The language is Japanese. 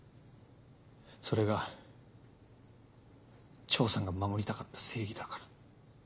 それが丈さんが守りたかった正義だから。